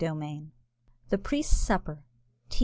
] THE PRIEST'S SUPPER. T.